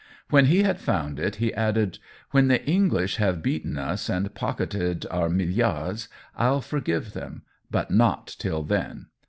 When he had found it he added :" When the Eng lish have beaten us and pocketed our mill' iards I'll forgive them ; but not till then